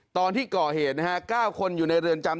ตอนที่ก่อเหตุนะฮะ๙คนอยู่ในเรือนจำ